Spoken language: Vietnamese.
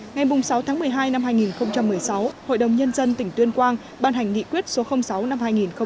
ngày sáu tháng một mươi hai năm hai nghìn một mươi sáu hội đồng nhân dân tỉnh tuyên quang ban hành nghị quyết số sáu năm hai nghìn một mươi bảy